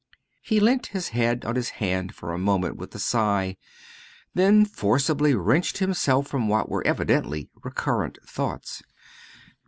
He leant his head on his hand for a moment with a sigh, then forcibly wrenched himself from what were evidently recurrent thoughts.